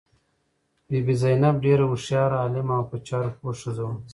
بي بي زینب ډېره هوښیاره، عالمه او په چارو پوه ښځه وه.